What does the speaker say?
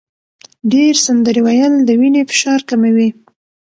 ډېر سندرې ویل د وینې فشار کموي.